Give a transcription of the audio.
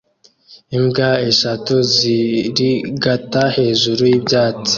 Imbwa eshatu zirigata hejuru y'ibyatsi